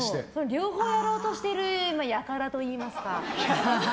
両方やろうとしている輩といいますか。